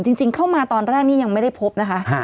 จริงเข้ามาตอนแรกนี่ยังไม่ได้พบนะคะ